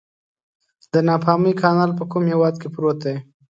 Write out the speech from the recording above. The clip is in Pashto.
د پانامي کانال په کوم هېواد کې پروت دی؟